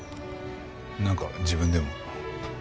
なんか自分でも。